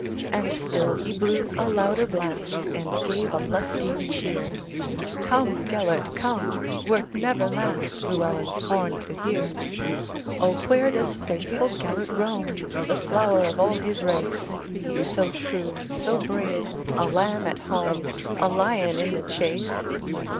And still he blew a louder blast, And gave a lustier cheer:"Come, Gêlert, come, wert never lastLlewelyn's horn to hear."O, where doth faithful Gêlert roam, The flower of all his race, So true, so brave,—a lamb at home,A lion in the chase?"